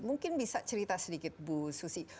mungkin bisa cerita sedikit bu susi